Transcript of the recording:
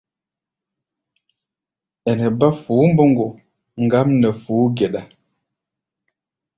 Ɛnɛ bá fuú-mboŋgo ŋgám nɛ fuú-geɗa.